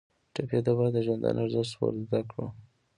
ټپي ته باید د ژوندانه ارزښت ور زده کړو.